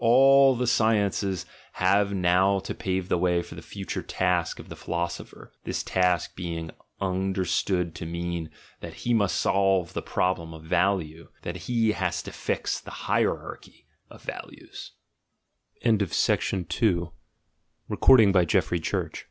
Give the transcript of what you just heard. All the sciences have now to pave the way for the future task of the philosopher ; this task being understood to mean, that he must solve the problem of value, that he has to fix the hierarchy of values. SECOND ESSAY "GUILT," "BAD CONSCIENCE," AND THE LIKE i.